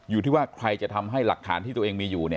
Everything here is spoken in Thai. อยู่ที่ว่าใครจะทำให้หลักฐานที่ตัวเองมีอยู่